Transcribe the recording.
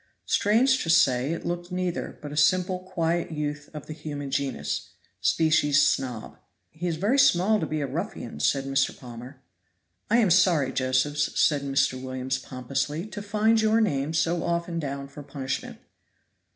Strange to say, it looked neither, but a simple quiet youth of the human genus species snob. "He is very small to be a ruffian," said Mr. Palmer. "I am sorry, Josephs," said Mr. Williams pompously, "to find your name so often down for punishment."